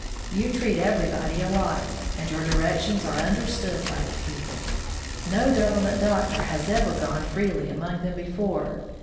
You treat everybody alike, and your directions are understood by the people. No Government doctor has ever gone freely among them before.